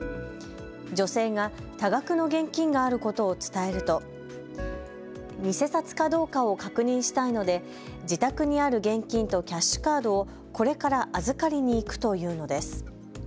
女性が多額の現金があることを伝えると、偽札かどうかを確認したいので自宅にある現金とキャッシュカードをこれから預かりに行くと言うのです。